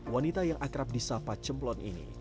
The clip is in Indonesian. wanita yang akrab di sapa cemplon ini